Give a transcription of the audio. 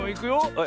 はい。